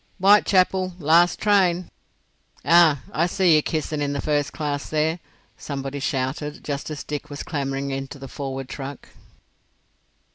"Whitechapel—last train! Ah, I see yer kissin' in the first class there!" somebody shouted, just as Dick was clambering into the forward truck.